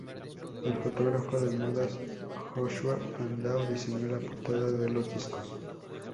El fotógrafo de modas Joshua Brandão diseñó la portada de los discos.